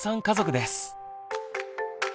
家族です。